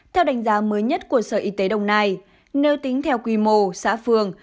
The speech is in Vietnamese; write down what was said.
theo đánh giá mới nhất của sở y tế đồng nai nếu tính theo quy mô xã phường